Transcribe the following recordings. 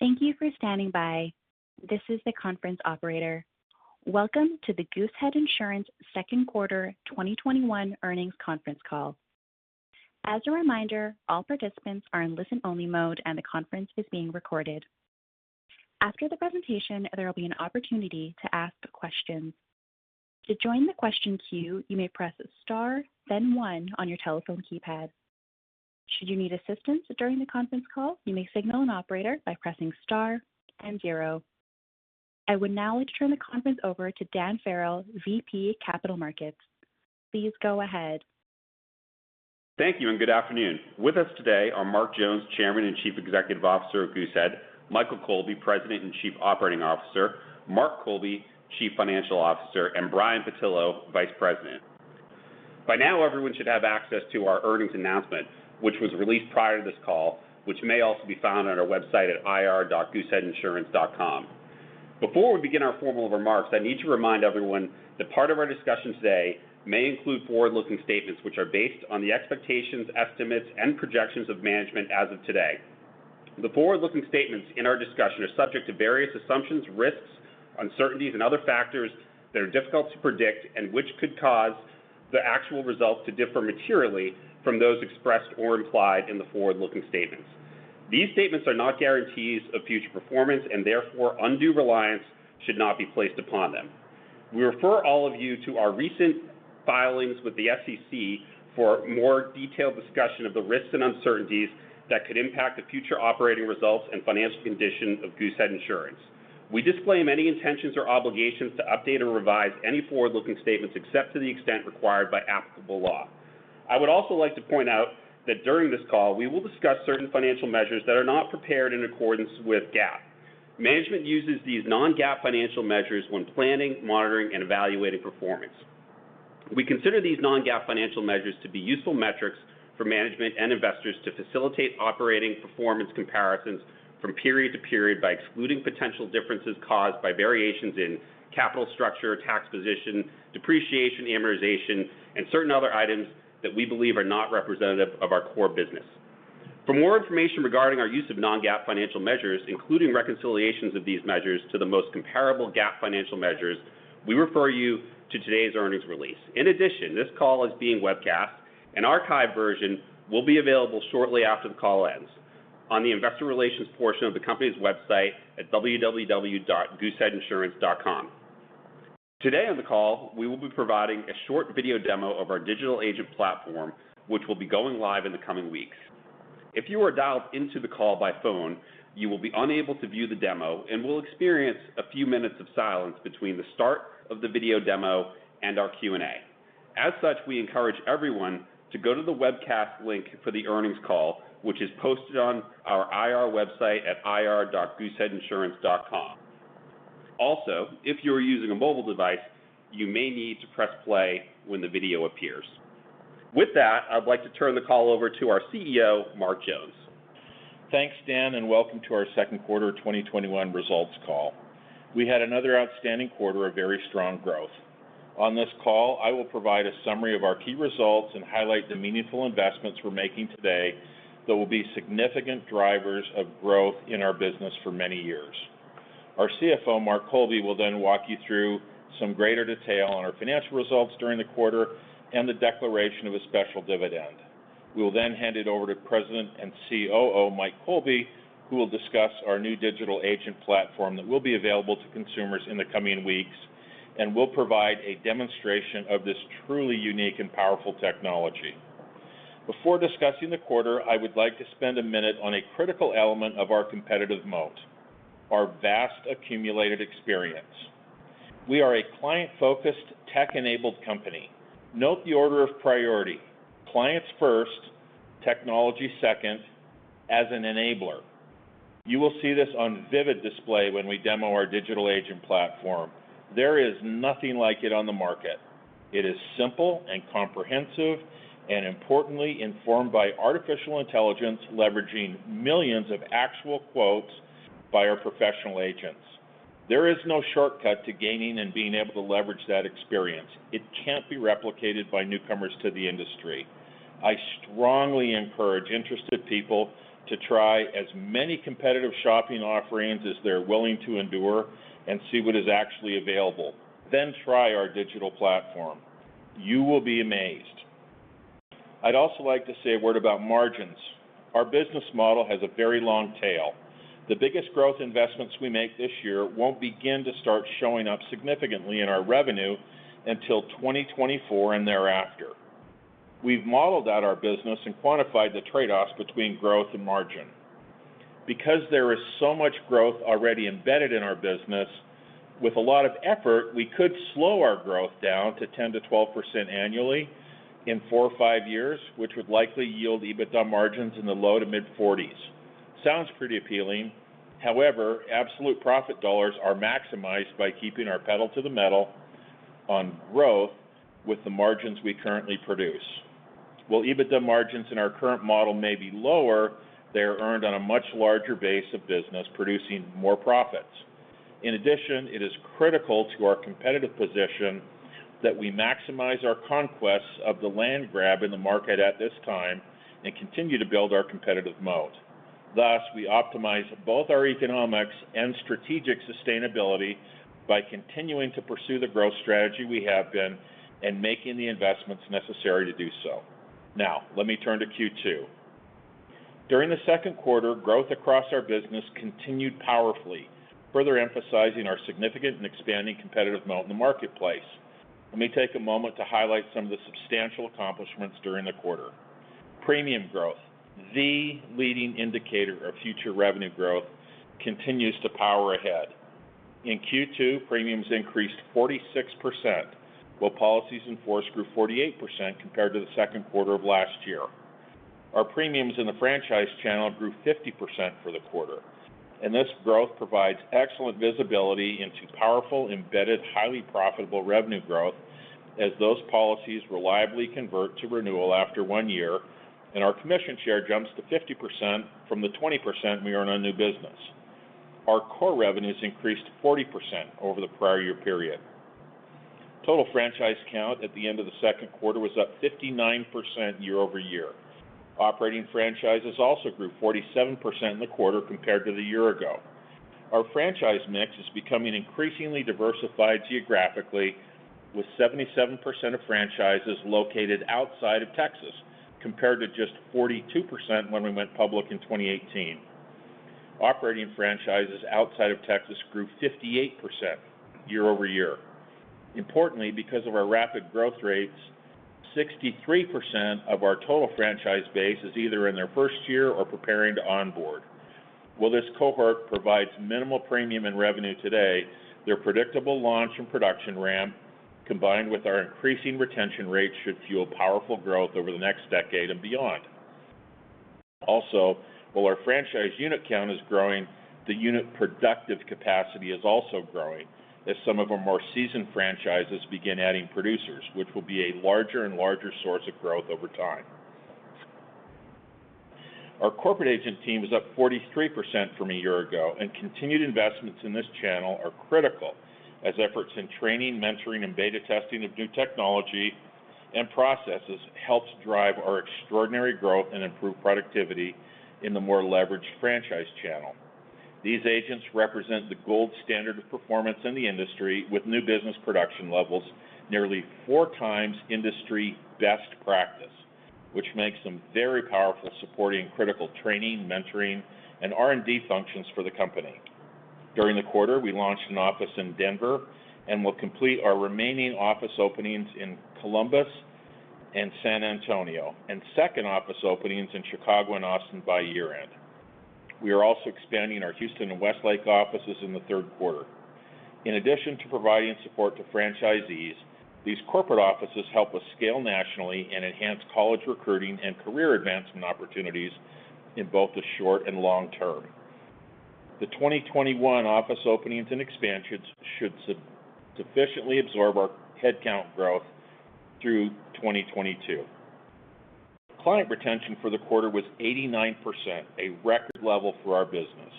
Thank you for standing by. This is the conference operator. Welcome to the Goosehead Insurance Second Quarter 2021 Earnings Conference Call. As a reminder, all participants are in listen-only mode, and the conference is being recorded. After the presentation, there will be an opportunity to ask questions. To join the question queue, you may press star, then one on your telephone keypad. Should you need assistance during the conference call, you may signal an operator by pressing star and zero. I would now like to turn the conference over to Dan Farrell, VP Capital Markets. Please go ahead. Thank you, and good afternoon. With us today are Mark Jones, Chairman and Chief Executive Officer of Goosehead, Michael Colby, President and Chief Operating Officer, Mark Colby, Chief Financial Officer, and Brian Pattillo, Vice President. By now, everyone should have access to our earnings announcement, which was released prior to this call, which may also be found on our website at ir.gooseheadinsurance.com. Before we begin our formal remarks, I need to remind everyone that part of our discussion today may include forward-looking statements which are based on the expectations, estimates, and projections of management as of today. The forward-looking statements in our discussion are subject to various assumptions, risks, uncertainties, and other factors that are difficult to predict and which could cause the actual results to differ materially from those expressed or implied in the forward-looking statements. These statements are not guarantees of future performance, and therefore, undue reliance should not be placed upon them. We refer all of you to our recent filings with the SEC for a more detailed discussion of the risks and uncertainties that could impact the future operating results and financial condition of Goosehead Insurance. We disclaim any intentions or obligations to update or revise any forward-looking statements except to the extent required by applicable law. I would also like to point out that during this call, we will discuss certain financial measures that are not prepared in accordance with GAAP. Management uses these non-GAAP financial measures when planning, monitoring, and evaluating performance. We consider these non-GAAP financial measures to be useful metrics for management and investors to facilitate operating performance comparisons from period to period by excluding potential differences caused by variations in capital structure, tax position, depreciation, amortization, and certain other items that we believe are not representative of our core business. For more information regarding our use of non-GAAP financial measures, including reconciliations of these measures to the most comparable GAAP financial measures, we refer you to today's earnings release. In addition, this call is being webcast. An archive version will be available shortly after the call ends on the investor relations portion of the company's website at www.gooseheadinsurance.com. Today on the call, we will be providing a short video demo of our Digital Agent Platform, which will be going live in the coming weeks. If you are dialed into the call by phone, you will be unable to view the demo and will experience a few minutes of silence between the start of the video demo and our Q&A. We encourage everyone to go to the webcast link for the earnings call, which is posted on our IR website at ir.gooseheadinsurance.com. If you are using a mobile device, you may need to press play when the video appears. With that, I'd like to turn the call over to our CEO, Mark Jones. Thanks, Dan. Welcome to our second quarter 2021 results call. We had another outstanding quarter of very strong growth. On this call, I will provide a summary of our key results and highlight the meaningful investments we're making today that will be significant drivers of growth in our business for many years. Our CFO, Mark Colby, will walk you through some greater detail on our financial results during the quarter and the declaration of a special dividend. We will hand it over to President and COO, Mike Colby, who will discuss our new Digital Agent Platform that will be available to consumers in the coming weeks and will provide a demonstration of this truly unique and powerful technology. Before discussing the quarter, I would like to spend a minute on a critical element of our competitive moat, our vast accumulated experience. We are a client-focused, tech-enabled company. Note the order of priority. Clients first, technology second as an enabler. You will see this on vivid display when we demo our Digital Agent Platform. There is nothing like it on the market. It is simple and comprehensive, and importantly, informed by artificial intelligence leveraging millions of actual quotes by our professional agents. There is no shortcut to gaining and being able to leverage that experience. It can't be replicated by newcomers to the industry. I strongly encourage interested people to try as many competitive shopping offerings as they're willing to endure and see what is actually available. Try our Digital Platform. You will be amazed. I'd also like to say a word about margins. Our business model has a very long tail. The biggest growth investments we make this year won't begin to start showing up significantly in our revenue until 2024 and thereafter. We've modeled out our business and quantified the trade-offs between growth and margin. Because there is so much growth already embedded in our business, with a lot of effort, we could slow our growth down to 10%-12% annually in four or five years, which would likely yield EBITDA margins in the low to mid-40s. Sounds pretty appealing. However, absolute profit dollars are maximized by keeping our pedal to the metal on growth with the margins we currently produce. While EBITDA margins in our current model may be lower, they are earned on a much larger base of business, producing more profits. In addition, it is critical to our competitive position that we maximize our conquests of the land grab in the market at this time and continue to build our competitive moat. We optimize both our economics and strategic sustainability by continuing to pursue the growth strategy we have been and making the investments necessary to do so. Let me turn to Q2. During the second quarter, growth across our business continued powerfully, further emphasizing our significant and expanding competitive moat in the marketplace. Let me take a moment to highlight some of the substantial accomplishments during the quarter. Premium growth, the leading indicator of future revenue growth, continues to power ahead. In Q2, premiums increased 46%, while policies in force grew 48% compared to the second quarter of last year. Our premiums in the franchise channel grew 50% for the quarter, and this growth provides excellent visibility into powerful, embedded, highly profitable revenue growth as those policies reliably convert to renewal after one year, and our commission share jumps to 50% from the 20% we earn on new business. Our core revenues increased 40% over the prior year period. Total franchise count at the end of the second quarter was up 59% year-over-year. Operating franchises also grew 47% in the quarter compared to the year ago. Our franchise mix is becoming increasingly diversified geographically, with 77% of franchises located outside of Texas, compared to just 42% when we went public in 2018. Operating franchises outside of Texas grew 58% year-over-year. Importantly, because of our rapid growth rates, 63% of our total franchise base is either in their first year or preparing to onboard. While this cohort provides minimal premium and revenue today, their predictable launch and production ramp, combined with our increasing retention rates, should fuel powerful growth over the next decade and beyond. While our franchise unit count is growing, the unit productive capacity is also growing as some of our more seasoned franchises begin adding producers, which will be a larger and larger source of growth over time. Our corporate agent team is up 43% from a year ago, and continued investments in this channel are critical, as efforts in training, mentoring, and beta testing of new technology and processes helps drive our extraordinary growth and improve productivity in the more leveraged franchise channel. These agents represent the gold standard of performance in the industry, with new business production levels nearly four times industry best practice, which makes them very powerful, supporting critical training, mentoring, and R&D functions for the company. During the quarter, we launched an office in Denver and will complete our remaining office openings in Columbus and San Antonio, and second office openings in Chicago and Austin by year-end. We are also expanding our Houston and Westlake offices in the third quarter. In addition to providing support to franchisees, these corporate offices help us scale nationally and enhance college recruiting and career advancement opportunities in both the short and long term. The 2021 office openings and expansions should sufficiently absorb our headcount growth through 2022. Client retention for the quarter was 89%, a record level for our business.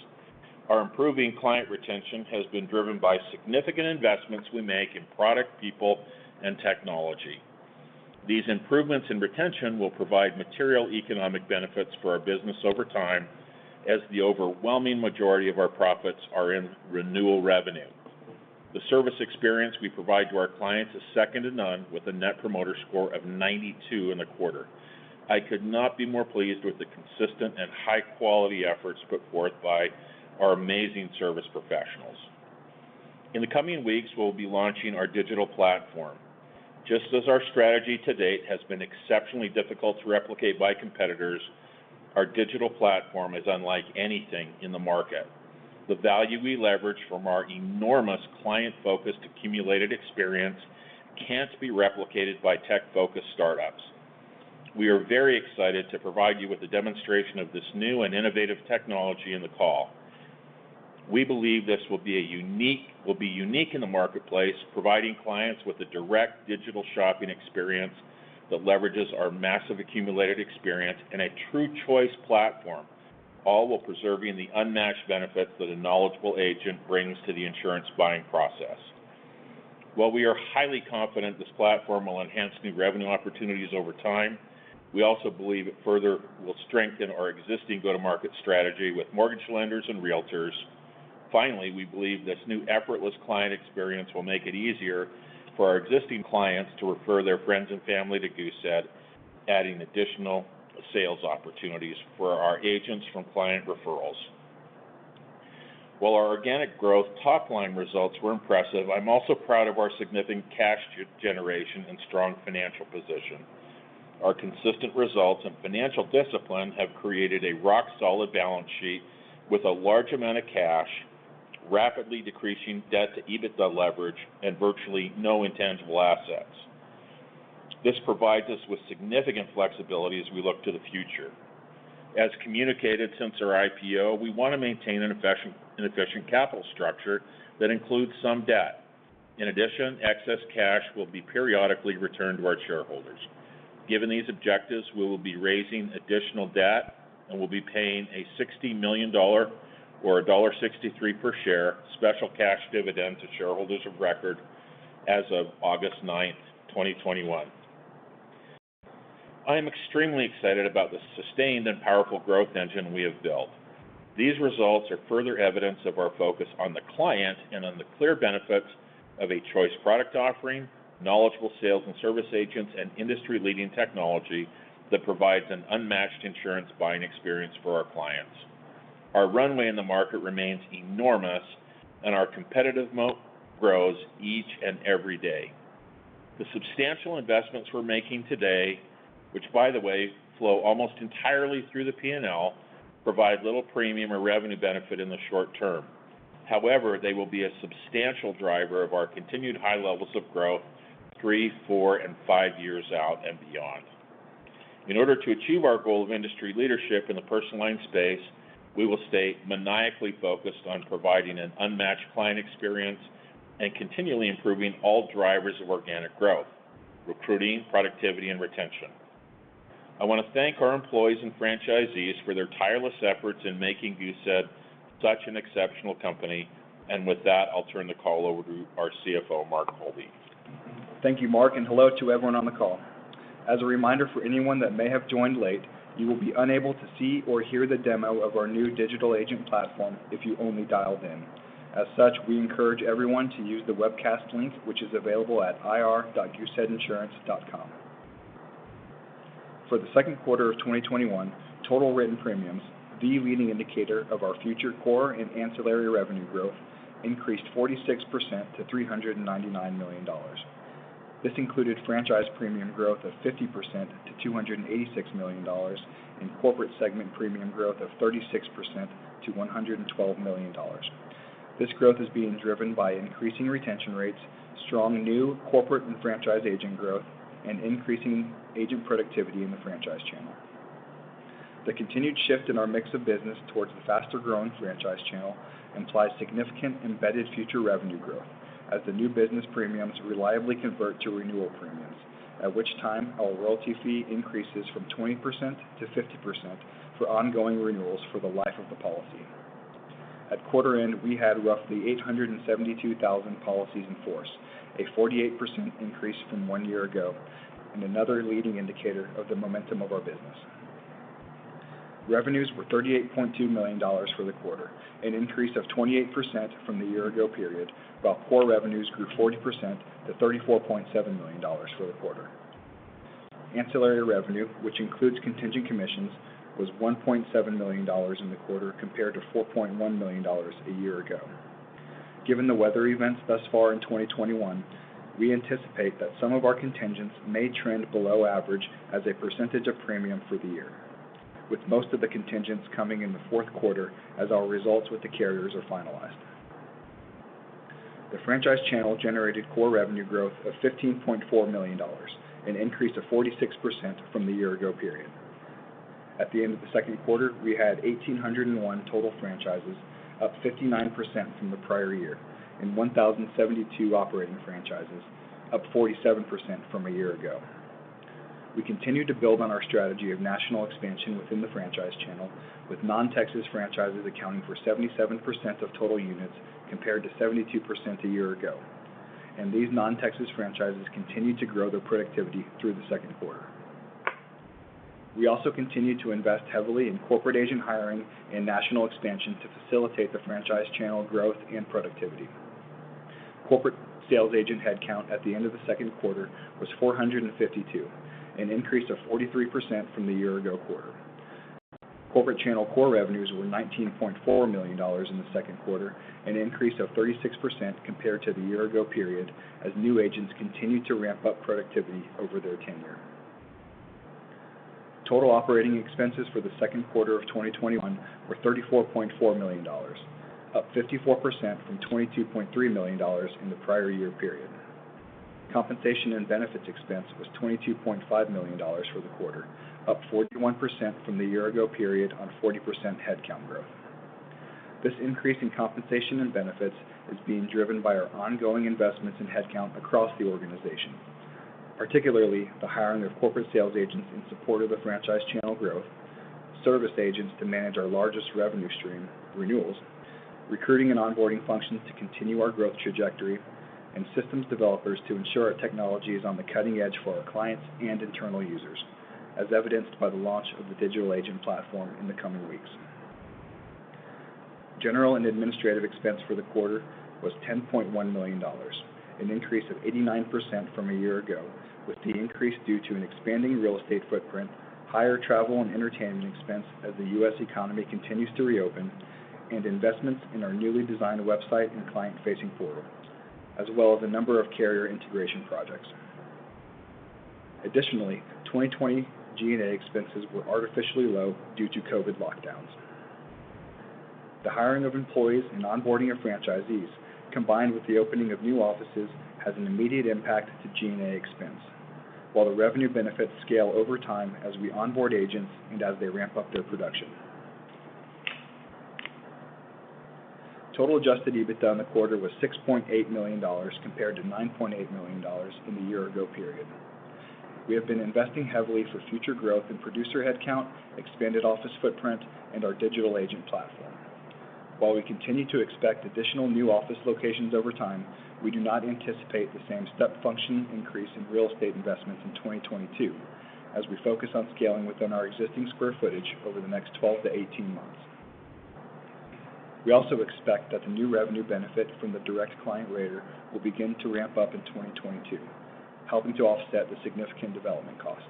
Our improving client retention has been driven by significant investments we make in product, people, and technology. These improvements in retention will provide material economic benefits for our business over time, as the overwhelming majority of our profits are in renewal revenue. The service experience we provide to our clients is second to none, with a Net Promoter Score of 92 in the quarter. I could not be more pleased with the consistent and high-quality efforts put forth by our amazing service professionals. In the coming weeks, we'll be launching our Digital platform. Just as our strategy to date has been exceptionally difficult to replicate by competitors, our Digital platform is unlike anything in the market. The value we leverage from our enormous client-focused accumulated experience can't be replicated by tech-focused startups. We are very excited to provide you with a demonstration of this new and innovative technology in the call. We believe this will be unique in the marketplace, providing clients with a direct digital shopping experience that leverages our massive accumulated experience in a true choice platform, all while preserving the unmatched benefits that a knowledgeable agent brings to the insurance buying process. While we are highly confident this platform will enhance new revenue opportunities over time, we also believe it further will strengthen our existing go-to-market strategy with mortgage lenders and realtors. Finally, we believe this new effortless client experience will make it easier for our existing clients to refer their friends and family to Goosehead, adding additional sales opportunities for our agents from client referrals. While our organic growth top-line results were impressive, I'm also proud of our significant cash generation and strong financial position. Our consistent results and financial discipline have created a rock-solid balance sheet with a large amount of cash, rapidly decreasing debt to EBITDA leverage, and virtually no intangible assets. This provides us with significant flexibility as we look to the future. As communicated since our IPO, we want to maintain an efficient capital structure that includes some debt. In addition, excess cash will be periodically returned to our shareholders. Given these objectives, we will be raising additional debt and will be paying a $60 million or a $1.63 per share special cash dividend to shareholders of record as of August 9th, 2021. I am extremely excited about the sustained and powerful growth engine we have built. These results are further evidence of our focus on the client and on the clear benefits of a choice product offering, knowledgeable sales and service agents, and industry-leading technology that provides an unmatched insurance buying experience for our clients. Our runway in the market remains enormous, and our competitive moat grows each and every day. The substantial investments we're making today, which by the way, flow almost entirely through the P&L, provide little premium or revenue benefit in the short term. However, they will be a substantial driver of our continued high levels of growth three, four, and five years out and beyond. In order to achieve our goal of industry leadership in the personal line space, we will stay maniacally focused on providing an unmatched client experience and continually improving all drivers of organic growth, recruiting, productivity, and retention. I want to thank our employees and franchisees for their tireless efforts in making Goosehead such an exceptional company. With that, I'll turn the call over to our CFO, Mark Colby. Thank you, Mark, and hello to everyone on the call. As a reminder for anyone that may have joined late, you will be unable to see or hear the demo of our new Digital Agent Platform if you only dialed in. As such, we encourage everyone to use the webcast link, which is available at ir.gooseheadinsurance.com. For the second quarter of 2021, total written premiums, the leading indicator of our future core and ancillary revenue growth, increased 46% to $399 million. This included franchise premium growth of 50% to $286 million in corporate segment premium growth of 36% to $112 million. This growth is being driven by increasing retention rates, strong new corporate and franchise agent growth, and increasing agent productivity in the franchise channel. The continued shift in our mix of business towards the faster-growing franchise channel implies significant embedded future revenue growth as the new business premiums reliably convert to renewal premiums, at which time our royalty fee increases from 20% to 50% for ongoing renewals for the life of the policy. At quarter end, we had roughly 872,000 policies in force, a 48% increase from one year ago, and another leading indicator of the momentum of our business. Revenues were $38.2 million for the quarter, an increase of 28% from the year ago period, while core revenues grew 40% to $34.7 million for the quarter. Ancillary revenue, which includes contingent commissions, was $1.7 million in the quarter compared to $4.1 million a year ago. Given the weather events thus far in 2021, we anticipate that some of our contingents may trend below average as a percentage of premium for the year, with most of the contingents coming in the fourth quarter as our results with the carriers are finalized. The franchise channel generated core revenue growth of $15.4 million, an increase of 46% from the year ago period. At the end of the second quarter, we had 1,801 total franchises, up 59% from the prior year, and 1,072 operating franchises, up 47% from a year ago. These non-Texas franchises continued to grow their productivity through the second quarter. We also continued to invest heavily in corporate agent hiring and national expansion to facilitate the franchise channel growth and productivity. Corporate sales agent headcount at the end of the second quarter was 452, an increase of 43% from the year ago quarter. Corporate channel core revenues were $19.4 million in the second quarter, an increase of 36% compared to the year ago period as new agents continued to ramp up productivity over their tenure. Total operating expenses for the second quarter of 2021 were $34.4 million, up 54% from $22.3 million in the prior year period. Compensation and benefits expense was $22.5 million for the quarter, up 41% from the year ago period on 40% headcount growth. This increase in compensation and benefits is being driven by our ongoing investments in headcount across the organization, particularly the hiring of corporate sales agents in support of the franchise channel growth, service agents to manage our largest revenue stream, renewals, recruiting and onboarding functions to continue our growth trajectory, and systems developers to ensure our technology is on the cutting edge for our clients and internal users, as evidenced by the launch of the Digital Agent Platform in the coming weeks. General and administrative expense for the quarter was $10.1 million, an increase of 89% from a year ago, with the increase due to an expanding real estate footprint, higher travel and entertainment expense as the U.S. economy continues to reopen, and investments in our newly designed website and client-facing portal, as well as a number of carrier integration projects. Additionally, 2020 G&A expenses were artificially low due to COVID lockdowns. The hiring of employees and onboarding of franchisees, combined with the opening of new offices, has an immediate impact to G&A expense, while the revenue benefits scale over time as we onboard agents and as they ramp up their production. Total adjusted EBITDA in the quarter was $6.8 million, compared to $9.8 million in the year ago period. We have been investing heavily for future growth in producer headcount, expanded office footprint, and our Digital Agent Platform. While we continue to expect additional new office locations over time, we do not anticipate the same step function increase in real estate investments in 2022, as we focus on scaling within our existing square footage over the next 12 to 18 months. We also expect that the new revenue benefit from the direct client rater will begin to ramp up in 2022, helping to offset the significant development costs.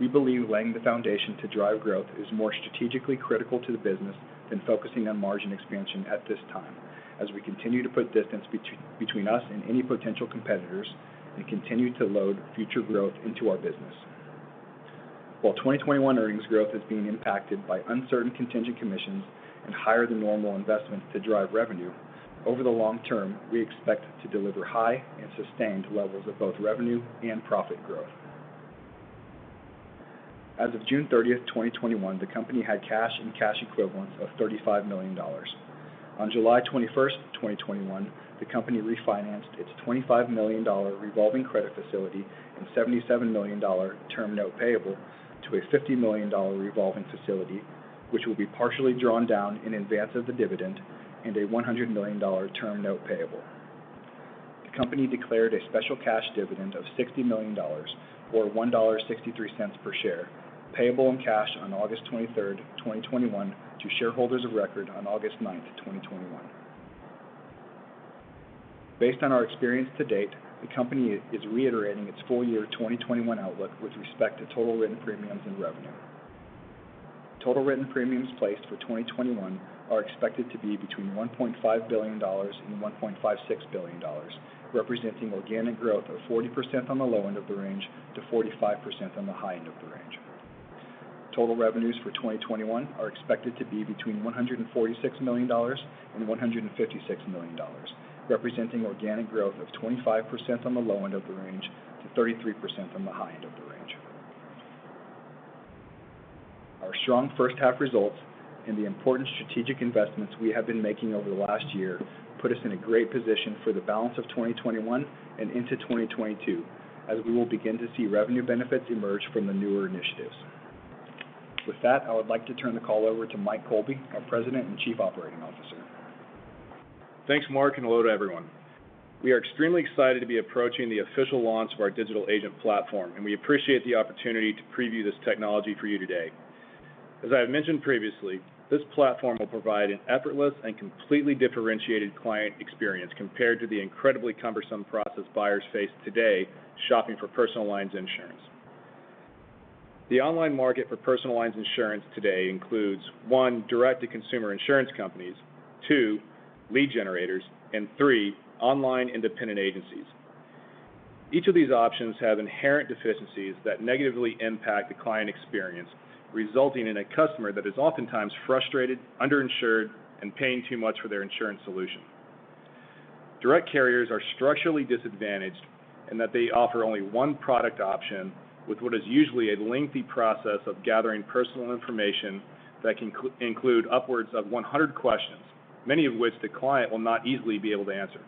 We believe laying the foundation to drive growth is more strategically critical to the business than focusing on margin expansion at this time, as we continue to put distance between us and any potential competitors and continue to load future growth into our business. While 2021 earnings growth is being impacted by uncertain contingent commissions and higher than normal investments to drive revenue, over the long term, we expect to deliver high and sustained levels of both revenue and profit growth. As of June 30th, 2021, the company had cash and cash equivalents of $35 million. On July 21st, 2021, the company refinanced its $25 million revolving credit facility and $77 million term note payable to a $50 million revolving facility, which will be partially drawn down in advance of the dividend and a $100 million term note payable. The company declared a special cash dividend of $60 million, or $1.63 per share, payable in cash on August 23rd, 2021, to shareholders of record on August 9th, 2021. Based on our experience to date, the company is reiterating its full year 2021 outlook with respect to total written premiums and revenue. Total written premiums placed for 2021 are expected to be between $1.5 billion and $1.56 billion, representing organic growth of 40% on the low end of the range to 45% on the high end of the range. Total revenues for 2021 are expected to be between $146 million and $156 million, representing organic growth of 25% on the low end of the range to 33% on the high end of the range. Our strong first half results and the important strategic investments we have been making over the last year put us in a great position for the balance of 2021 and into 2022, as we will begin to see revenue benefits emerge from the newer initiatives. With that, I would like to turn the call over to Mike Colby, our President and Chief Operating Officer. Thanks, Mark, and hello to everyone. We are extremely excited to be approaching the official launch of our Digital Agent Platform, and we appreciate the opportunity to preview this technology for you today. As I have mentioned previously, this platform will provide an effortless and completely differentiated client experience compared to the incredibly cumbersome process buyers face today shopping for personal lines insurance. The online market for personal lines insurance today includes, 1, direct-to-consumer insurance companies, 2, lead generators, and 3, online independent agencies. Each of these options have inherent deficiencies that negatively impact the client experience, resulting in a customer that is oftentimes frustrated, underinsured, and paying too much for their insurance solution. Direct carriers are structurally disadvantaged in that they offer only one product option with what is usually a lengthy process of gathering personal information that can include upwards of 100 questions, many of which the client will not easily be able to answer.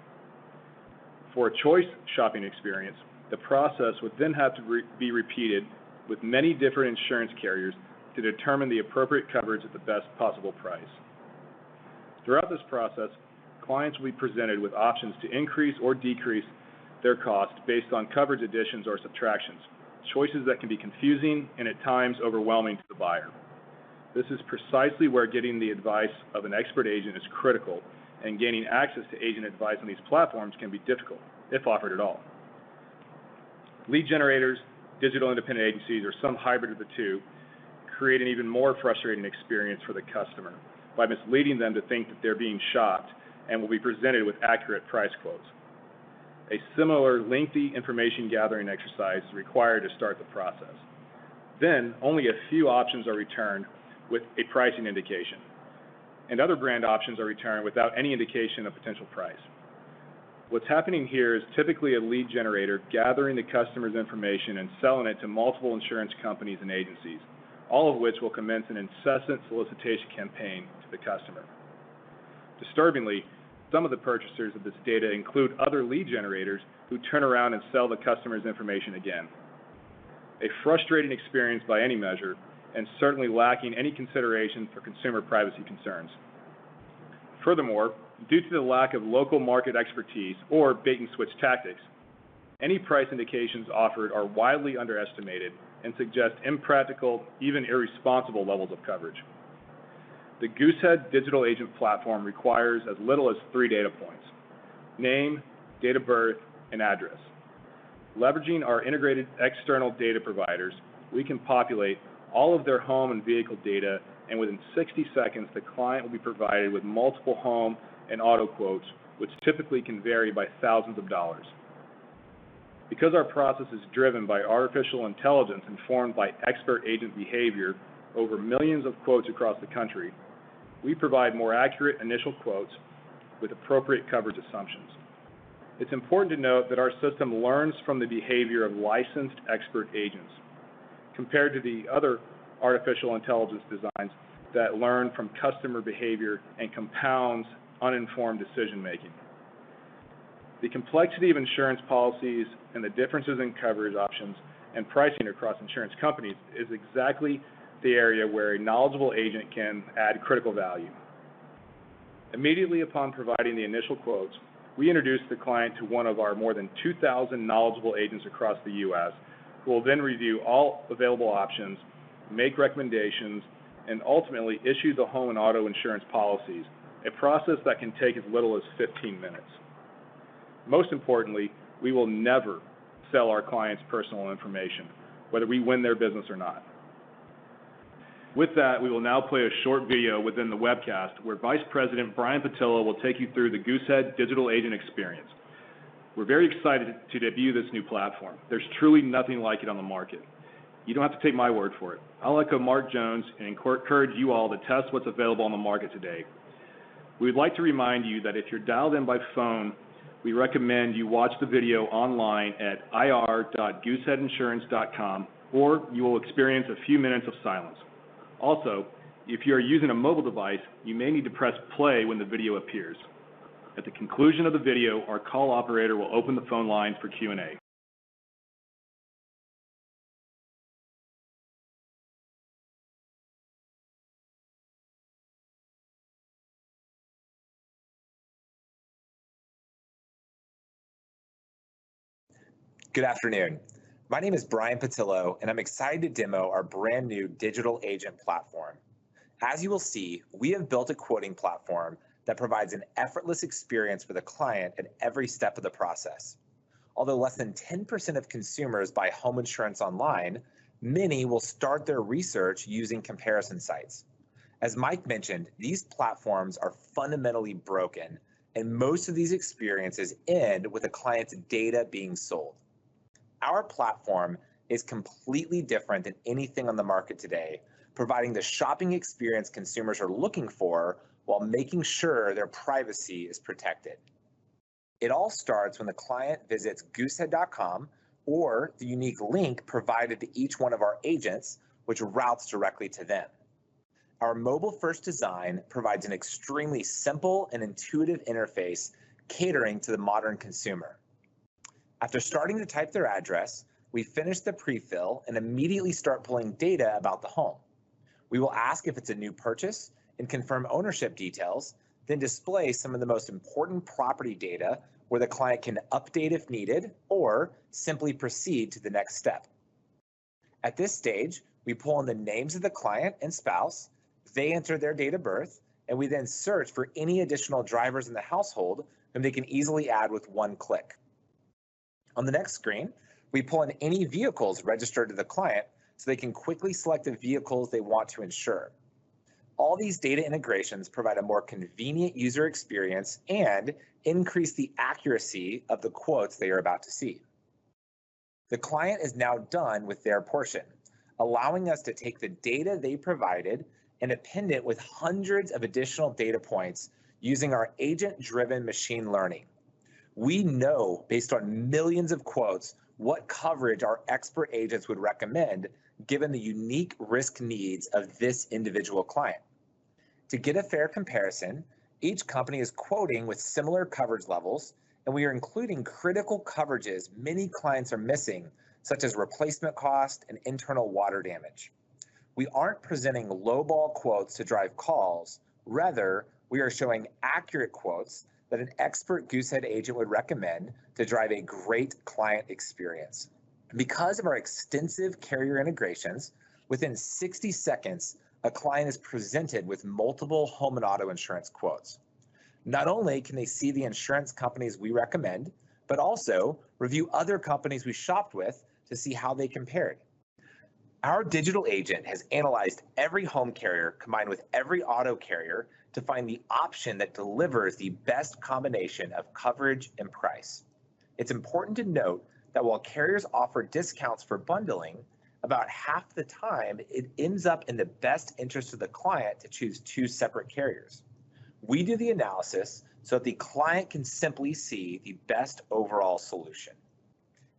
For a choice shopping experience, the process would then have to be repeated with many different insurance carriers to determine the appropriate coverage at the best possible price. Throughout this process, clients will be presented with options to increase or decrease their cost based on coverage additions or subtractions, choices that can be confusing and, at times, overwhelming to the buyer. This is precisely where getting the advice of an expert agent is critical, and gaining access to agent advice on these platforms can be difficult, if offered at all. Lead generators, digital independent agencies, or some hybrid of the two create an even more frustrating experience for the customer by misleading them to think that they're being shopped and will be presented with accurate price quotes. A similar lengthy information gathering exercise is required to start the process. Only a few options are returned with a pricing indication, and other brand options are returned without any indication of potential price. What's happening here is typically a lead generator gathering the customer's information and selling it to multiple insurance companies and agencies, all of which will commence an incessant solicitation campaign to the customer. Disturbingly, some of the purchasers of this data include other lead generators who turn around and sell the customer's information again. A frustrating experience by any measure and certainly lacking any consideration for consumer privacy concerns. Furthermore, due to the lack of local market expertise or bait and switch tactics, any price indications offered are widely underestimated and suggest impractical, even irresponsible levels of coverage. The Goosehead Digital Agent Platform requires as little as three data points: name, date of birth, and address. Leveraging our integrated external data providers, we can populate all of their home and vehicle data, and within 60 seconds, the client will be provided with multiple home and auto quotes, which typically can vary by thousands of dollars. Because our process is driven by artificial intelligence informed by expert agent behavior over millions of quotes across the country, we provide more accurate initial quotes with appropriate coverage assumptions. It's important to note that our system learns from the behavior of licensed expert agents, compared to the other artificial intelligence designs that learn from customer behavior and compounds uninformed decision-making. The complexity of insurance policies and the differences in coverage options and pricing across insurance companies is exactly the area where a knowledgeable agent can add critical value. Immediately upon providing the initial quotes, we introduce the client to one of our more than 2,000 knowledgeable agents across the U.S., who will then review all available options, make recommendations, and ultimately issue the home and auto insurance policies, a process that can take as little as 15 minutes. Most importantly, we will never sell our clients' personal information, whether we win their business or not. With that, we will now play a short video within the webcast where Vice President Brian Pattillo will take you through the Goosehead digital agent experience. We're very excited to debut this new platform. There's truly nothing like it on the market. You don't have to take my word for it. I'll let go of Mark Jones and encourage you all to test what's available on the market today. We'd like to remind you that if you're dialed in by phone, we recommend you watch the video online at ir.gooseheadinsurance.com, or you will experience a few minutes of silence. If you are using a mobile device, you may need to press play when the video appears. At the conclusion of the video, our call operator will open the phone lines for Q&A. Good afternoon. My name is Brian Pattillo, I'm excited to demo our brand-new Digital Agent Platform. As you will see, we have built a quoting platform that provides an effortless experience for the client at every step of the process. Although less than 10% of consumers buy home insurance online, many will start their research using comparison sites. As Mike mentioned, these platforms are fundamentally broken, most of these experiences end with a client's data being sold. Our platform is completely different than anything on the market today, providing the shopping experience consumers are looking for while making sure their privacy is protected. It all starts when the client visits goosehead.com or the unique link provided to each one of our agents, which routes directly to them. Our mobile-first design provides an extremely simple and intuitive interface catering to the modern consumer. After starting to type their address, we finish the pre-fill and immediately start pulling data about the home. We will ask if it's a new purchase and confirm ownership details, then display some of the most important property data where the client can update if needed or simply proceed to the next step. At this stage, we pull in the names of the client and spouse, they enter their date of birth. We then search for any additional drivers in the household whom they can easily add with one click. On the next screen, we pull in any vehicles registered to the client so they can quickly select the vehicles they want to insure. All these data integrations provide a more convenient user experience and increase the accuracy of the quotes they are about to see. The client is now done with their portion, allowing us to take the data they provided and append it with hundreds of additional data points using our agent-driven machine learning. We know based on millions of quotes, what coverage our expert agents would recommend given the unique risk needs of this individual client. To get a fair comparison, each company is quoting with similar coverage levels, and we are including critical coverages many clients are missing, such as replacement cost and internal water damage. We aren't presenting lowball quotes to drive calls. Rather, we are showing accurate quotes that an expert Goosehead agent would recommend to drive a great client experience. Because of our extensive carrier integrations, within 60 seconds, a client is presented with multiple home and auto insurance quotes. Not only can they see the insurance companies we recommend, but also review other companies we shopped with to see how they compared. Our digital agent has analyzed every home carrier combined with every auto carrier to find the option that delivers the best combination of coverage and price. It's important to note that while carriers offer discounts for bundling, about half the time, it ends up in the best interest of the client to choose two separate carriers. We do the analysis so the client can simply see the best overall solution.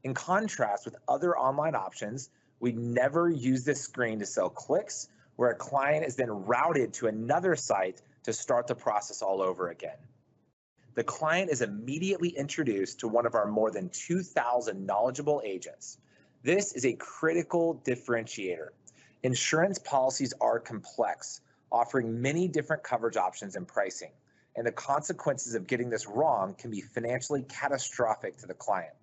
In contrast with other online options, we never use this screen to sell clicks, where a client is then routed to another site to start the process all over again. The client is immediately introduced to one of our more than 2,000 knowledgeable agents. This is a critical differentiator. Insurance policies are complex, offering many different coverage options and pricing, and the consequences of getting this wrong can be financially catastrophic to the client.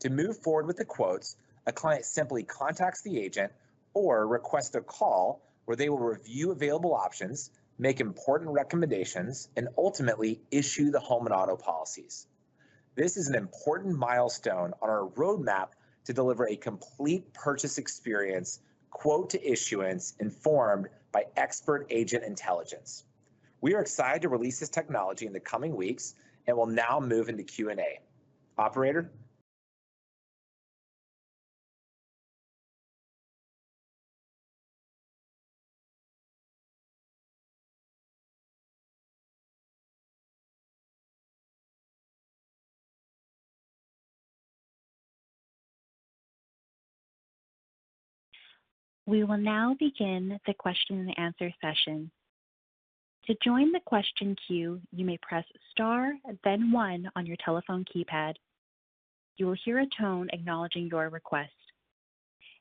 To move forward with the quotes, a client simply contacts the agent or requests a call where they will review available options, make important recommendations, and ultimately issue the home and auto policies. This is an important milestone on our roadmap to deliver a complete purchase experience, quote to issuance, informed by expert agent intelligence. We are excited to release this technology in the coming weeks and will now move into Q&A. Operator. We will now begin the question-and-answer session. To join the question queue, you may press star and then one on your telephone keypad. You will hear a tone acknowledging your request.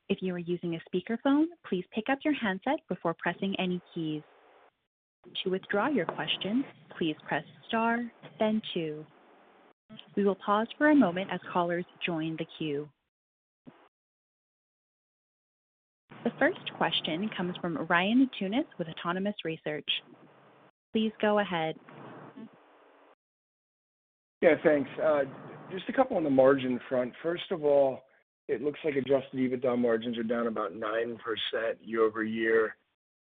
If you are using a speakerphone, please pick up your handset before pressing any keys. To withdraw your question, please press star then two. We will pause for a moment as callers join the queue. The first question comes from Ryan Tunis with Autonomous Research. Please go ahead. Yeah, thanks. Just a couple on the margin front. First of all, it looks like adjusted EBITDA margins are down about 9% year-over-year.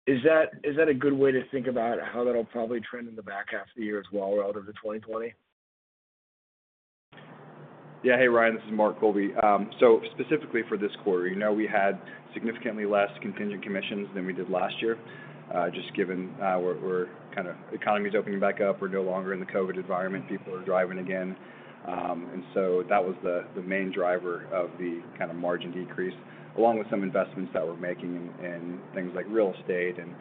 Is that a good way to think about how that'll probably trend in the back half of the year as well out into 2020? Hey, Ryan, this is Mark Colby. Specifically for this quarter, we had significantly less contingent commissions than we did last year, just given the economy's opening back up, we're no longer in the COVID environment, people are driving again. That was the main driver of the margin decrease, along with some investments that we're making in things like real estate and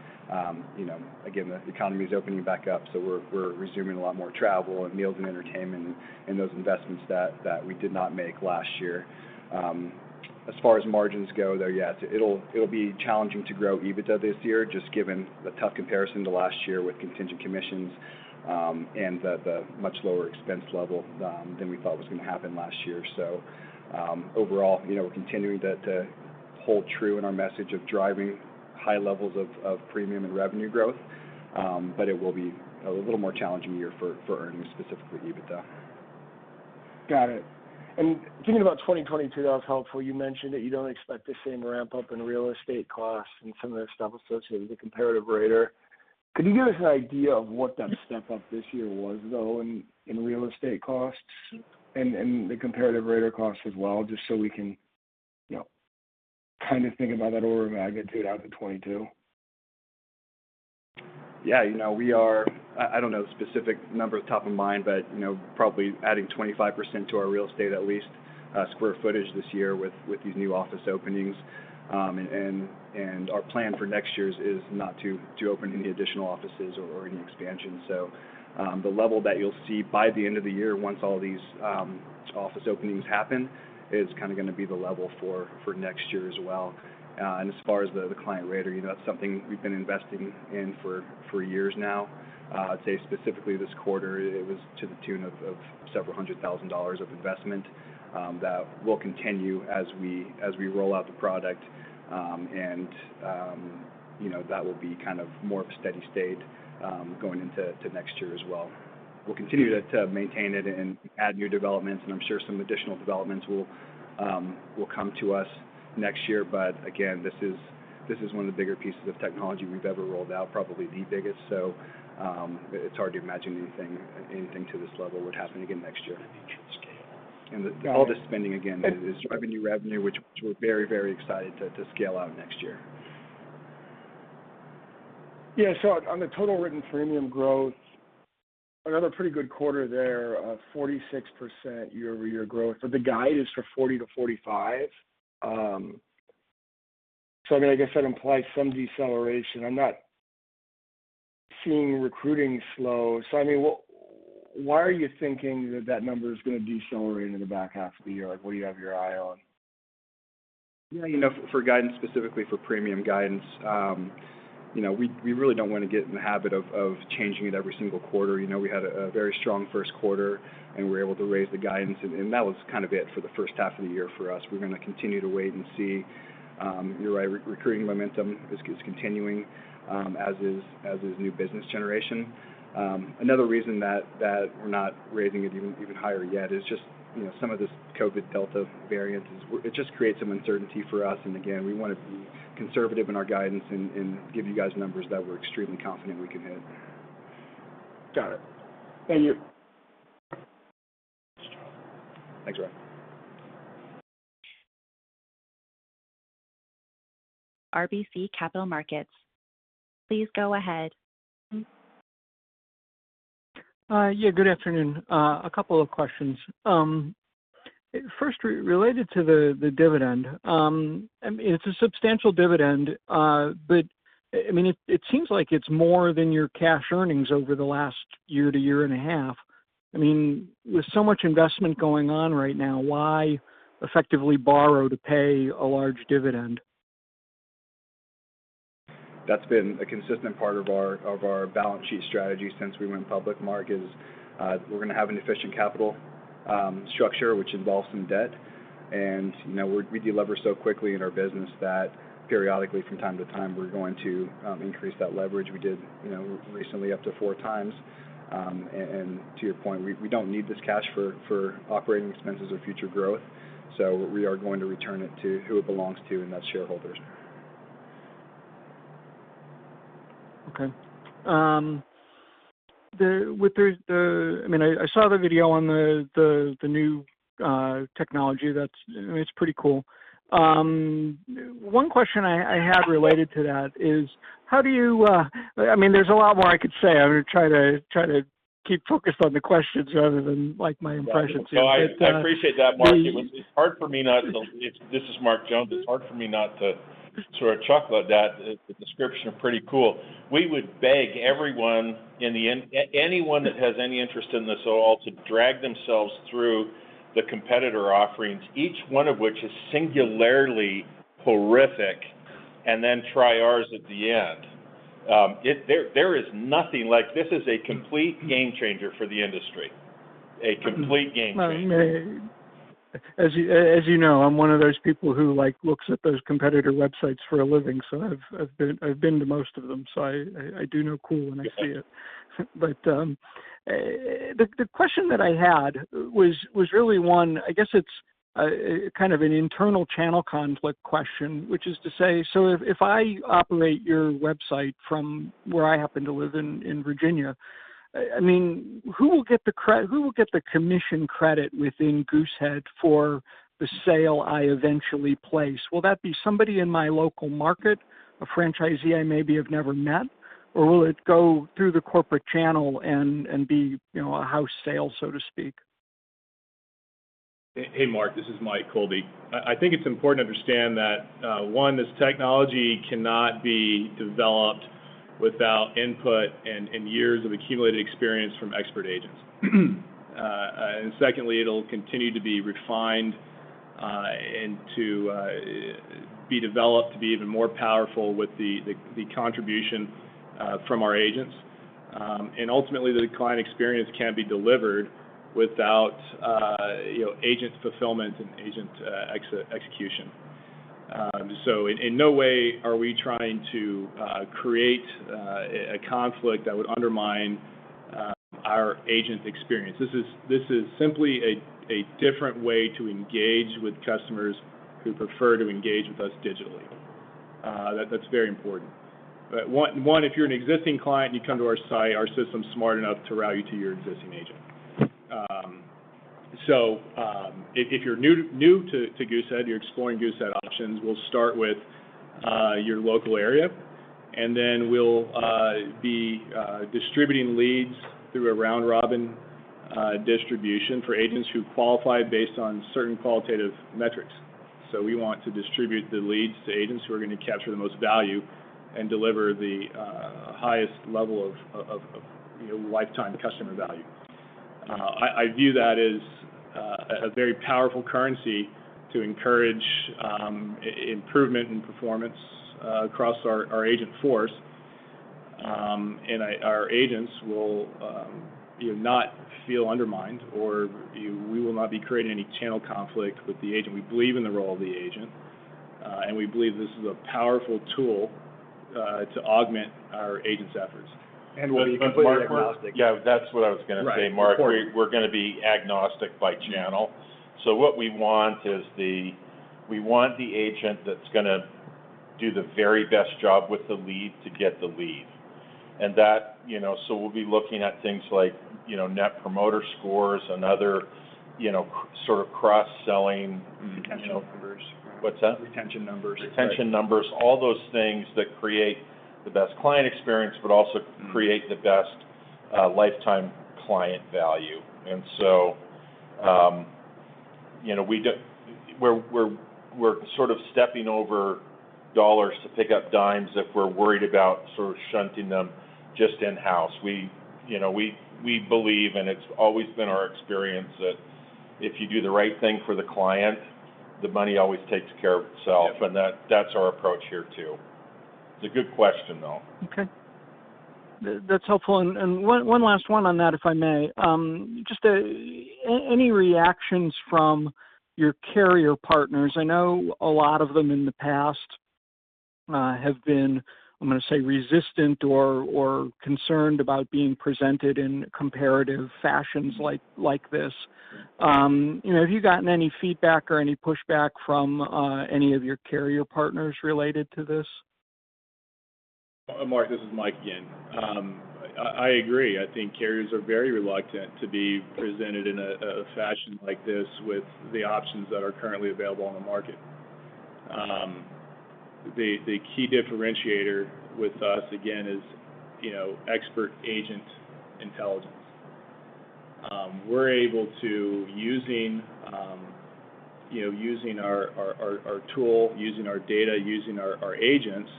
again, the economy is opening back up, so we're resuming a lot more travel and meals and entertainment and those investments that we did not make last year. As far as margins go, though, yeah, it'll be challenging to grow EBITDA this year just given the tough comparison to last year with contingent commissions, and the much lower expense level than we thought was going to happen last year. Overall, we're continuing to hold true in our message of driving high levels of premium and revenue growth. It will be a little more challenging year for earnings, specifically EBITDA. Got it. Thinking about 2022, that was helpful. You mentioned that you don't expect the same ramp up in real estate costs and some of that stuff associated with the comparative rater. Could you give us an idea of what that step up this year was, though, in real estate costs and the comparative rater costs as well, just so we can kind of think about that order of magnitude out to 2022? I don't know the specific numbers top of mind, but probably adding 25% to our real estate, at least, square footage this year with these new office openings. Our plan for next year is not to open any additional offices or any expansion. The level that you'll see by the end of the year, once all these office openings happen, is going to be the level for next year as well. As far as the Client Rater, that's something we've been investing in for years now. I'd say specifically this quarter, it was to the tune of several hundred thousand dollars of investment. That will continue as we roll out the product. That will be more of a steady state going into next year as well. We'll continue to maintain it and add new developments. I'm sure some additional developments will come to us next year. Again, this is one of the bigger pieces of technology we've ever rolled out, probably the biggest. It's hard to imagine anything to this level would happen again next year. All the spending, again, is driving new revenue, which we're very excited to scale out next year. Yeah. On the total written premium growth, another pretty good quarter there of 46% year-over-year growth. The guide is for 40%-45%. I guess that implies some deceleration. I'm not seeing recruiting slow. Why are you thinking that number is going to decelerate in the back half of the year? What do you have your eye on? For guidance, specifically for premium guidance, we really don't want to get in the habit of changing it every single quarter. We had a very strong first quarter and were able to raise the guidance, and that was it for the first half of the year for us. We're going to continue to wait and see. You're right, recruiting momentum is continuing as is new business generation. Another reason that we're not raising it even higher yet is just some of this COVID-19 Delta variant. It just creates some uncertainty for us, and again, we want to be conservative in our guidance and give you guys numbers that we're extremely confident we can hit. Got it. Thank you. Thanks, Ryan. RBC Capital Markets, please go ahead. Yeah, good afternoon. A couple of questions. First, related to the dividend. It's a substantial dividend, but it seems like it's more than your cash earnings over the last year to year and a half. With so much investment going on right now, why effectively borrow to pay a large dividend? That's been a consistent part of our balance sheet strategy since we went public, Mark, is we're going to have an efficient capital structure which involves some debt. We de-lever so quickly in our business that periodically from time to time, we're going to increase that leverage. We did recently up to 4x. To your point, we don't need this cash for operating expenses or future growth. We are going to return it to who it belongs to, and that's shareholders. Okay. I saw the video on the new technology. It's pretty cool. One question I had related to that is, there's a lot more I could say. I'm going to try to keep focused on the questions rather than my impressions here. No, I appreciate that, Mark. This is Mark Jones. It's hard for me not to sort of chuckle at that, the description of pretty cool. We would beg anyone that has any interest in this at all to drag themselves through the competitor offerings, each one of which is singularly horrific, and then try ours at the end. This is a complete game changer for the industry, a complete game changer. As you know, I'm one of those people who looks at those competitor websites for a living. I've been to most of them. I do know cool when I see it. The question that I had was really one, I guess it's kind of an internal channel conflict question, which is to say, if I operate your website from where I happen to live in Virginia, who will get the commission credit within Goosehead for the sale I eventually place? Will that be somebody in my local market, a franchisee I maybe have never met, or will it go through the corporate channel and be a house sale, so to speak? Hey, Mark, this is Mike Colby. I think it's important to understand that one, this technology cannot be developed without input and years of accumulated experience from expert agents. Secondly, it'll continue to be refined and to be developed to be even more powerful with the contribution from our agents. Ultimately, the client experience can't be delivered without agent fulfillment and agent execution. In no way are we trying to create a conflict that would undermine our agent experience. This is simply a different way to engage with customers who prefer to engage with us digitally. That's very important. One, if you're an existing client and you come to our site, our system's smart enough to route you to your existing agent. If you're new to Goosehead, you're exploring Goosehead options, we'll start with your local area, we'll be distributing leads through a round robin distribution for agents who qualify based on certain qualitative metrics. We want to distribute the leads to agents who are going to capture the most value and deliver the highest level of lifetime customer value. I view that as a very powerful currency to encourage improvement in performance across our agent force. Our agents will not feel undermined, or we will not be creating any channel conflict with the agent. We believe in the role of the agent, and we believe this is a powerful tool to augment our agents' efforts. We'll be completely agnostic. Yeah, that's what I was going to say, Mark. Right. Important. We're going to be agnostic by channel. What we want is we want the agent that's going to do the very best job with the lead to get the lead. We'll be looking at things like Net Promoter Scores and other sort of cross-selling. Retention numbers. What's that? Retention numbers. Retention numbers, all those things that create the best client experience, but also create the best lifetime client value. We're sort of stepping over dollars to pick up dimes if we're worried about sort of shunting them just in-house. We believe, and it's always been our experience, that if you do the right thing for the client, the money always takes care of itself. Yes. That's our approach here, too. It's a good question, though. Okay. That's helpful. One last one on that, if I may. Just any reactions from your carrier partners? I know a lot of them in the past have been, I'm going to say, resistant or concerned about being presented in comparative fashions like this. Have you gotten any feedback or any pushback from any of your carrier partners related to this? Mark, this is Mike again. I agree. I think carriers are very reluctant to be presented in a fashion like this with the options that are currently available on the market. The key differentiator with us, again, is expert agent intelligence. We're able to, using our tool, using our data, using our agents,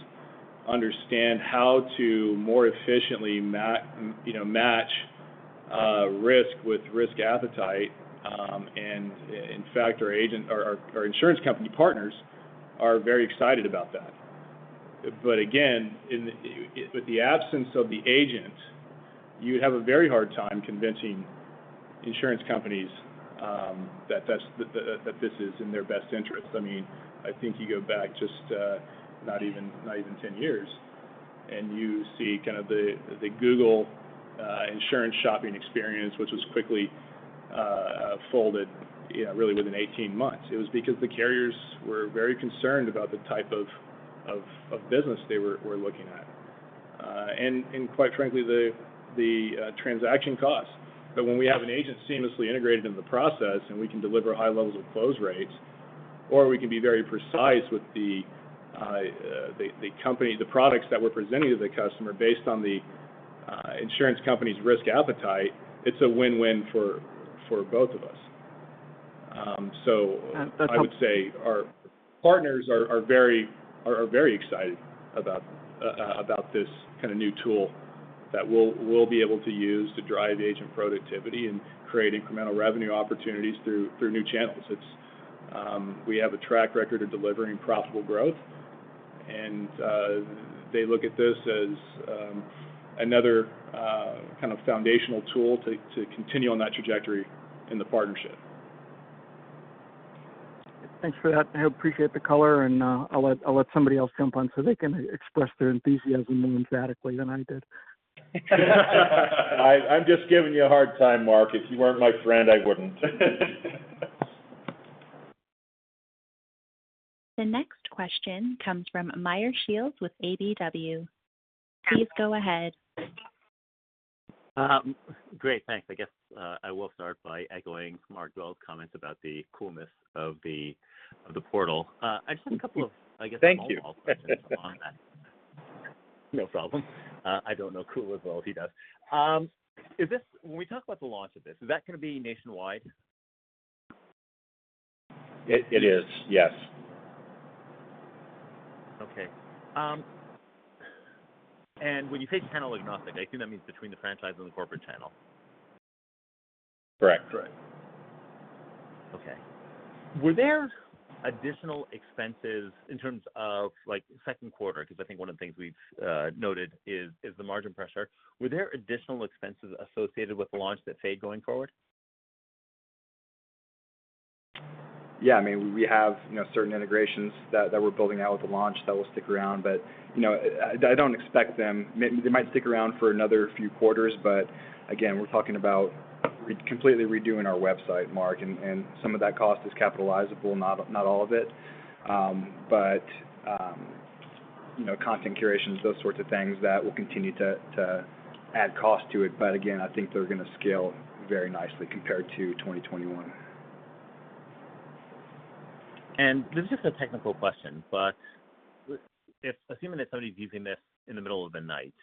understand how to more efficiently match risk with risk appetite. In fact, our insurance company partners are very excited about that. Again, with the absence of the agent, you would have a very hard time convincing insurance companies that this is in their best interest. I think you go back just not even 10 years, and you see kind of the Google insurance shopping experience, which was quickly folded really within 18 months. It was because the carriers were very concerned about the type of business they were looking at. Quite frankly, the transaction cost. When we have an agent seamlessly integrated into the process, and we can deliver high levels of close rates, or we can be very precise with the products that we're presenting to the customer based on the insurance company's risk appetite, it's a win-win for both of us. I would say our partners are very excited about this kind of new tool that we'll be able to use to drive agent productivity and create incremental revenue opportunities through new channels. We have a track record of delivering profitable growth, and they look at this as another kind of foundational tool to continue on that trajectory in the partnership. Thanks for that. I appreciate the color, and I'll let somebody else jump on so they can express their enthusiasm more emphatically than I did. I'm just giving you a hard time, Mark. If you weren't my friend, I wouldn't. The next question comes from Meyer Shields with KBW. Please go ahead. Great. Thanks. I guess, I will start by echoing Mark Jones's comment about the coolness of the portal. Thank you. follow-up questions along that. No problem. I don't know cool as well as he does. When we talk about the launch of this, is that going to be nationwide? It is, yes. Okay. When you say channel agnostic, I assume that means between the franchise and the corporate channel. Correct. Okay. Were there additional expenses in terms of second quarter? I think one of the things we've noted is the margin pressure. Were there additional expenses associated with the launch that fade going forward? We have certain integrations that we're building out with the launch that will stick around, but I don't expect them. They might stick around for another few quarters, but again, we're talking about completely redoing our website, Mark, and some of that cost is capitalizable, not all of it. Content curations, those sorts of things, that will continue to add cost to it. Again, I think they're going to scale very nicely compared to 2021. This is just a technical question, but assuming that somebody's using this in the middle of the night,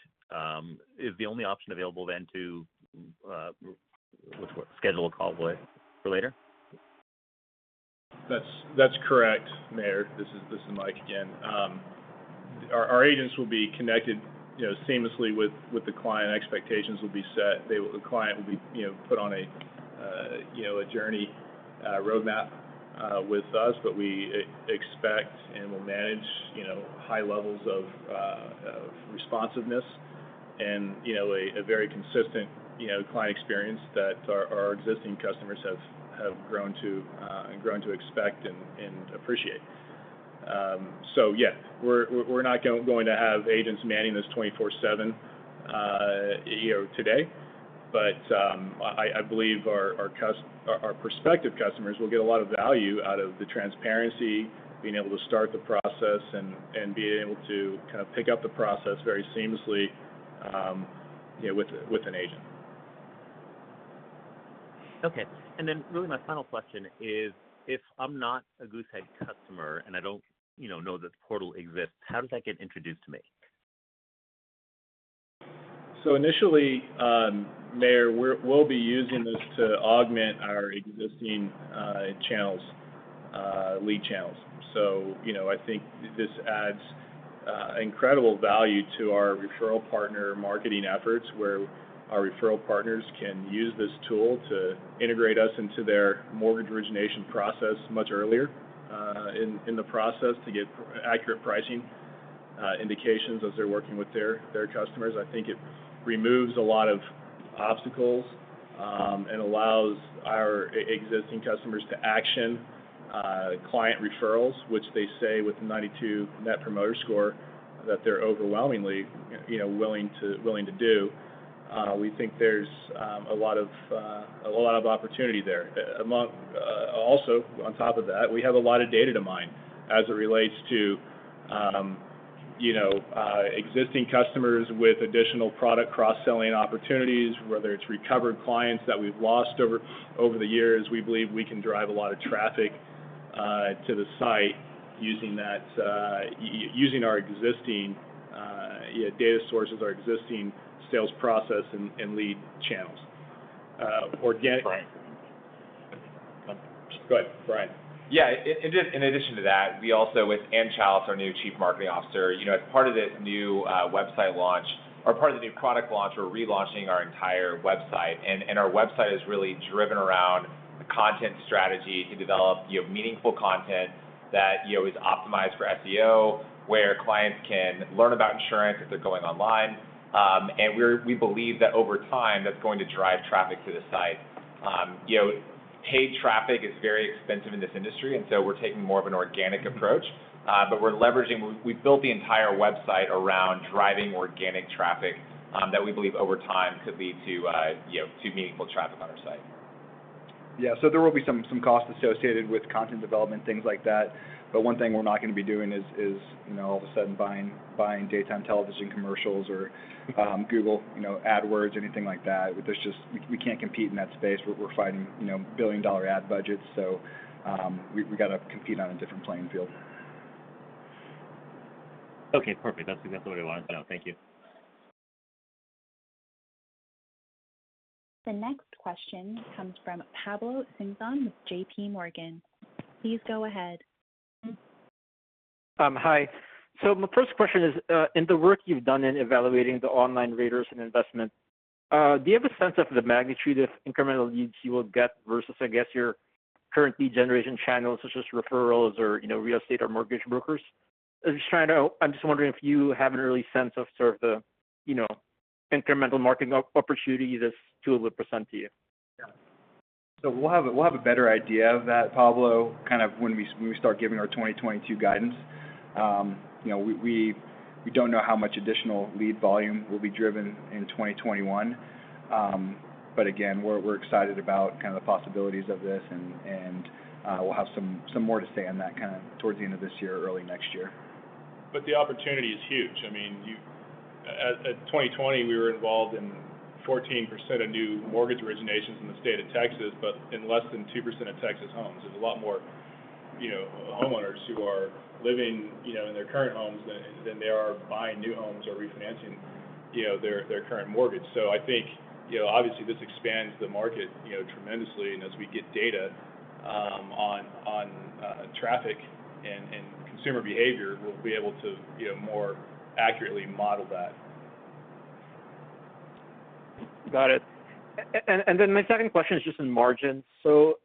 is the only option available then to schedule a call for later? That's correct, Meyer. This is Mike again. Our agents will be connected seamlessly with the client. Expectations will be set. The client will be put on a journey roadmap with us, but we expect and will manage high levels of responsiveness and a very consistent client experience that our existing customers have grown to expect and appreciate. Yeah, we're not going to have agents manning this 24/7 today. I believe our prospective customers will get a lot of value out of the transparency, being able to start the process, and being able to kind of pick up the process very seamlessly with an agent. Okay. Really my final question is, if I'm not a Goosehead customer and I don't know this portal exists, how does that get introduced to me? Initially, Meyer, we'll be using this to augment our existing lead channels. I think this adds incredible value to our referral partner marketing efforts, where our referral partners can use this tool to integrate us into their mortgage origination process much earlier in the process to get accurate pricing indications as they're working with their customers. I think it removes a lot of obstacles, and allows our existing customers to action client referrals, which they say with a 92 Net Promoter Score, that they're overwhelmingly willing to do. We think there's a lot of opportunity there. On top of that, we have a lot of data to mine as it relates to existing customers with additional product cross-selling opportunities, whether it's recovered clients that we've lost over the years. We believe we can drive a lot of traffic to the site using our existing data sources, our existing sales process, and lead channels. Brian. Go ahead, Brian. Yeah. In addition to that, we also, with Ann Challis, our new Chief Marketing Officer, as part of this new website launch, or part of the new product launch, we're relaunching our entire website. Our website is really driven around the content strategy to develop meaningful content that is optimized for SEO, where clients can learn about insurance if they're going online. We believe that over time, that's going to drive traffic to the site. Paid traffic is very expensive in this industry, and so we're taking more of an organic approach. We've built the entire website around driving organic traffic that we believe over time could lead to meaningful traffic on our site. Yeah. There will be some cost associated with content development, things like that. One thing we're not going to be doing is all of a sudden buying daytime television commercials or Google Ads, anything like that. We can't compete in that space. We're fighting billion-dollar ad budgets, so we've got to compete on a different playing field. Okay, perfect. That's exactly what I wanted to know. Thank you. The next question comes from Pablo Singzon with JPMorgan. Please go ahead. Hi. My first question is, in the work you've done in evaluating the online raters and investment, do you have a sense of the magnitude of incremental leads you will get versus, I guess, your current lead generation channels, such as referrals or real estate or mortgage brokers? I'm just wondering if you have an early sense of sort of the incremental marketing opportunity this tool will present to you. Yeah. We'll have a better idea of that, Pablo, when we start giving our 2022 guidance. We don't know how much additional lead volume will be driven in 2021. Again, we're excited about the possibilities of this, and we'll have some more to say on that towards the end of this year or early next year. The opportunity is huge. I mean, at 2020, we were involved in 14% of new mortgage originations in the state of Texas, but in less than 2% of Texas homes. There's a lot more homeowners who are living in their current homes than they are buying new homes or refinancing their current mortgage. I think, obviously, this expands the market tremendously, and as we get data on traffic and consumer behavior, we'll be able to more accurately model that. Got it. My second question is just on margins.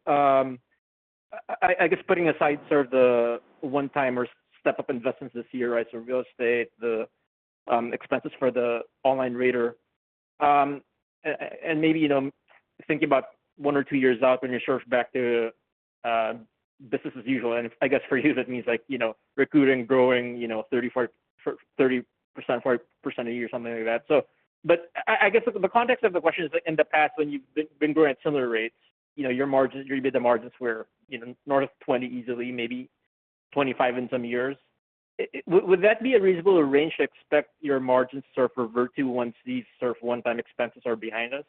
I guess putting aside sort of the one-time or step-up investments this year, real estate, the expenses for the online rater, and maybe thinking about one or two years out when you're sort of back to business as usual. I guess for you that means recruiting, growing 30%-40% a year or something like that. I guess the context of the question is that in the past, when you've been growing at similar rates, your EBITDA margins were north of 20% easily, maybe 25% in some years. Would that be a reasonable range to expect your margins to revert to once these sort of one-time expenses are behind us?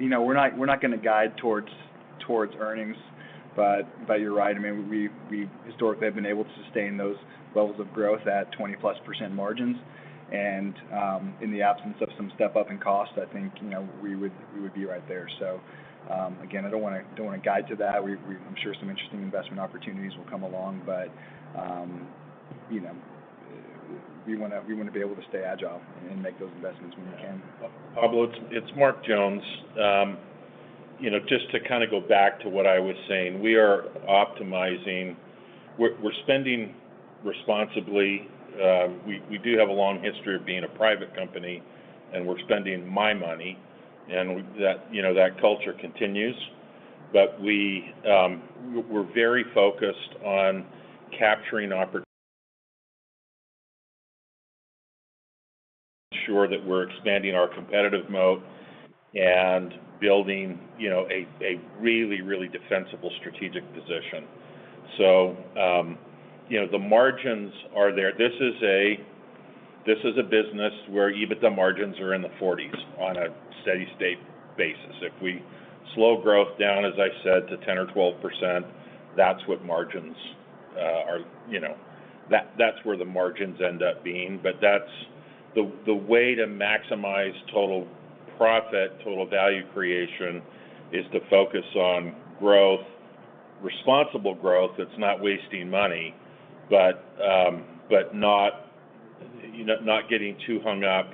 We're not going to guide towards earnings. You're right. I mean, we historically have been able to sustain those levels of growth at 20+% margins. In the absence of some step-up in cost, I think we would be right there. Again, I don't want to guide to that. I'm sure some interesting investment opportunities will come along, but we want to be able to stay agile and make those investments when we can. Pablo, it's Mark Jones. Just to kind of go back to what I was saying, we are optimizing. We're spending responsibly. We do have a long history of being a private company, and we're spending my money, and that culture continues. We're very focused on capturing opport... Sure that we're expanding our competitive moat and building a really defensible strategic position. The margins are there. This is a business where EBITDA margins are in the 40s% on a steady state basis. If we slow growth down, as I said, to 10% or 12%, that's where the margins end up being. The way to maximize total profit, total value creation, is to focus on growth, responsible growth that's not wasting money, but not getting too hung up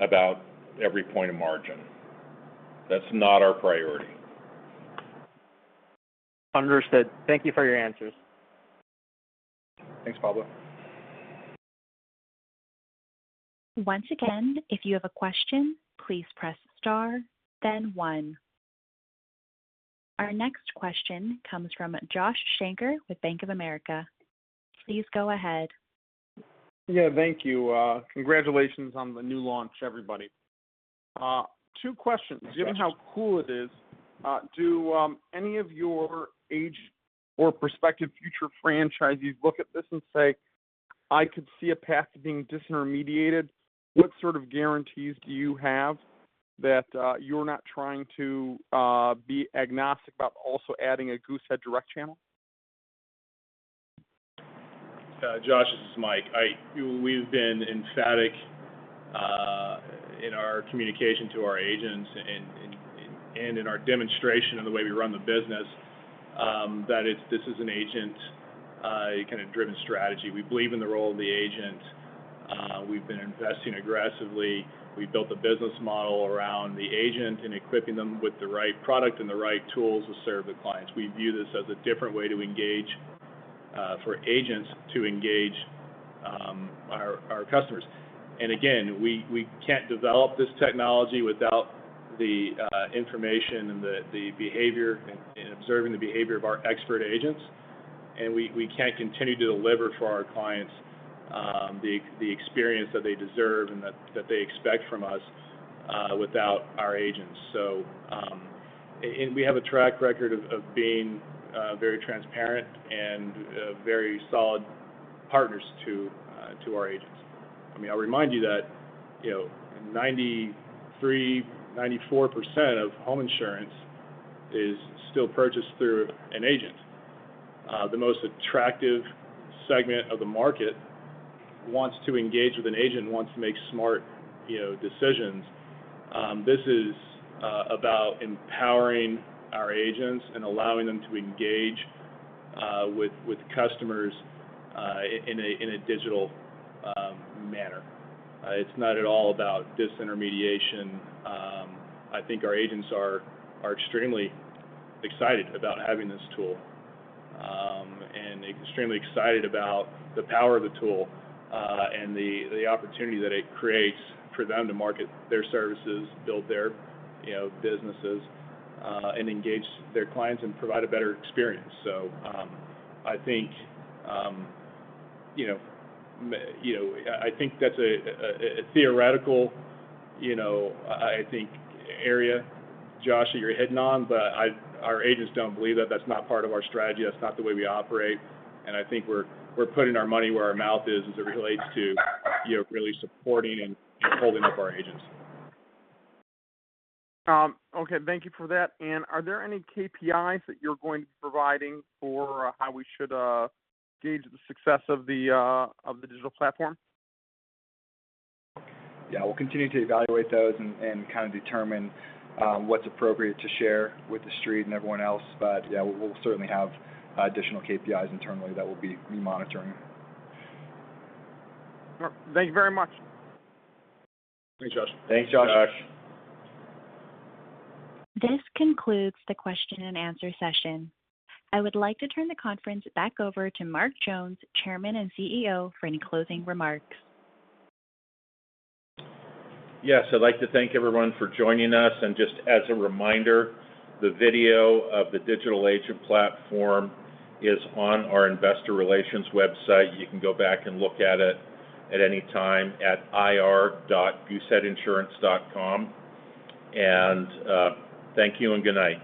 about every point of margin. That's not our priority. Understood. Thank you for your answers. Thanks, Pablo. Once again, if you have a question, please press star then one. Our next question comes from Josh Shanker with Bank of America. Please go ahead. Yeah, thank you. Congratulations on the new launch, everybody. Two questions. Yes. Given how cool it is, do any of your agent or prospective future franchisees look at this and say, "I could see a path to being disintermediated"? What sort of guarantees do you have that you're not trying to be agnostic about also adding a Goosehead direct channel? Josh, this is Mike. We've been emphatic in our communication to our agents and in our demonstration of the way we run the business, that this is an agent-driven strategy. We believe in the role of the agent. We've been investing aggressively. We've built a business model around the agent and equipping them with the right product and the right tools to serve the clients. We view this as a different way to engage. For agents to engage our customers. Again, we can't develop this technology without the information and observing the behavior of our expert agents. We can't continue to deliver for our clients the experience that they deserve and that they expect from us without our agents. We have a track record of being very transparent and very solid partners to our agents. I'll remind you that 93%, 94% of home insurance is still purchased through an agent. The most attractive segment of the market wants to engage with an agent, wants to make smart decisions. This is about empowering our agents and allowing them to engage with customers in a digital manner. It's not at all about disintermediation. I think our agents are extremely excited about having this tool and extremely excited about the power of the tool, and the opportunity that it creates for them to market their services, build their businesses, and engage their clients and provide a better experience. I think that's a theoretical area, Josh, that you're hitting on. Our agents don't believe that. That's not part of our strategy. That's not the way we operate. I think we're putting our money where our mouth is as it relates to really supporting and holding up our agents. Okay. Thank you for that. Are there any KPIs that you're going to be providing for how we should gauge the success of the Digital Platform? Yeah, we'll continue to evaluate those and kind of determine what's appropriate to share with the Street and everyone else. Yeah, we'll certainly have additional KPIs internally that we'll be monitoring. All right. Thank you very much. Thanks, Josh. Thanks, Josh. This concludes the question and answer session. I would like to turn the conference back over to Mark Jones, Chairman and CEO, for any closing remarks. Yes, I'd like to thank everyone for joining us. Just as a reminder, the video of the Digital Agent Platform is on our investor relations website. You can go back and look at it at any time at ir.gooseheadinsurance.com. Thank you and good night.